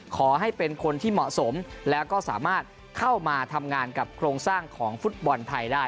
ขอให้เป็นคนที่เหมาะสมแล้วก็สามารถเข้ามาทำงานกับโครงสร้างของฟุตบอลไทยได้